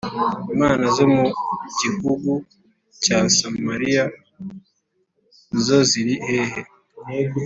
Imana zo mu gihugu cya Samariya zo ziri hehe ?